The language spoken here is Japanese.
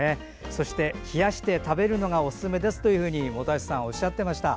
そして冷やして食べるのがおすすめですと本橋さんはおっしゃっていました。